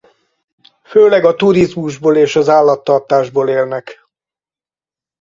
Főleg a turizmusból és az állattartásból élnek.